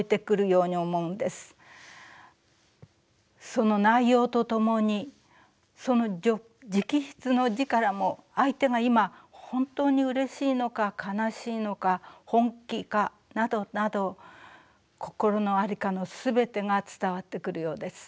その内容とともにその直筆の字からも相手が今本当にうれしいのか悲しいのか本気かなどなど心のありかの全てが伝わってくるようです。